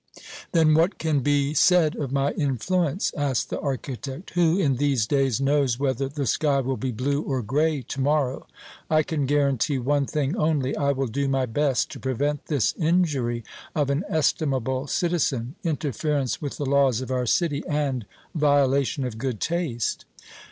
"Then what can be said of my influence?" asked the architect. "Who, in these days, knows whether the sky will be blue or grey to morrow? I can guarantee one thing only: I will do my best to prevent this injury of an estimable citizen, interference with the laws of our city, and violation of good taste."